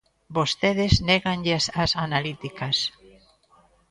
Vostedes néganlles as analíticas.